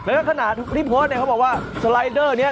แล้วก็ขณะนี้เพราะว่าสไลเดอร์เนี่ย